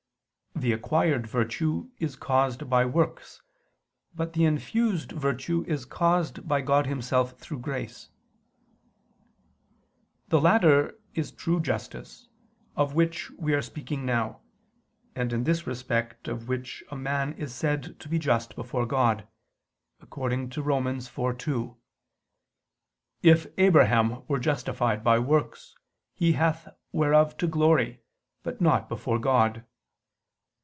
The acquired virtue is caused by works; but the infused virtue is caused by God Himself through His grace. The latter is true justice, of which we are speaking now, and in this respect of which a man is said to be just before God, according to Rom. 4:2: "If Abraham were justified by works, he hath whereof to glory, but not before God."